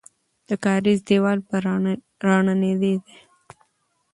د کارېز دیوال به رانړېده.